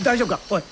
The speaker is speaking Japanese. おい！